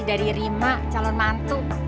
dari rima calon mantu